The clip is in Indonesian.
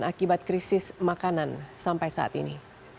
akibat krisis makanan sampai saat ini